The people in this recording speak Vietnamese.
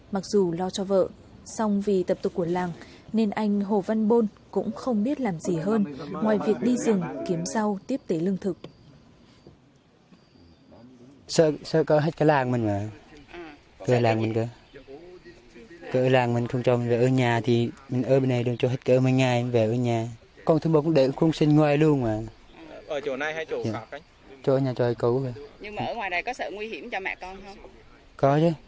mặc dù lo cho vợ song vì tập tục của làng nên anh hồ văn bôn cũng không biết làm gì hơn ngoài việc đi rừng kiếm rau tiếp tế lương thực